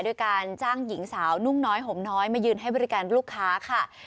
ด้วยการจ้างหญิงสาวนุ่งน้อยห่มน้อยมายืนให้บริการลูกค้าค่ะ